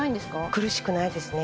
苦しくないですね